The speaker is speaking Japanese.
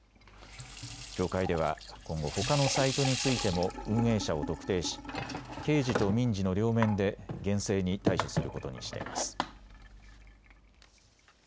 協会では今後、ほかのサイトについても運営者を特定し刑事と民事の両面で厳正に対処することにしています。